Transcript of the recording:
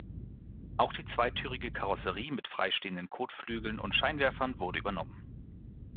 Auch die zweitürige Karosserie mit freistehenden Kotflügeln und Scheinwerfern wurde übernommen.